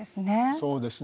そうですね。